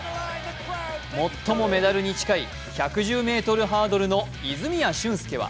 最もメダルに近い１１０ｍハードルの泉谷駿介は